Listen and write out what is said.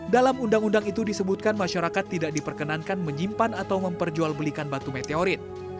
dalam undang undang itu disebutkan masyarakat tidak diperkenankan menyimpan atau memperjualbelikan batu meteorit